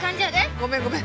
ごめんごめん。